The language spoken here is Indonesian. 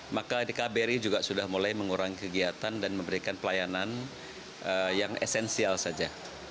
maka di kbri juga sudah mulai mengurangi kegiatan dan memberikan pelayanan yang esensial saja